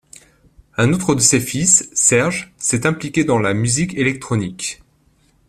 Un autre de ses fils, Serge, s'est impliqué dans la musique électronique.